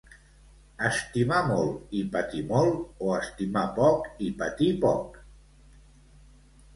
Estimar molt i patir molt, o estimar poc i patir poc?